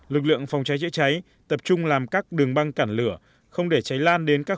lực lượng phòng cháy chữa cháy tập trung làm các đường băng cản lửa không để cháy lan đến các